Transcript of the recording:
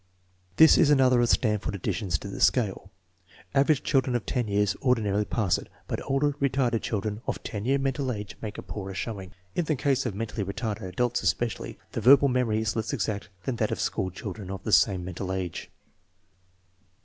This is another of the Stanford additions to the scale. Average children of 10 years ordinarily pass it, but older, retarded children of 10 year mental age make a poorer showing. In the case of mentally retarded adults, especially, the verbal memory is less exact than that of school chil dren of the same mental age.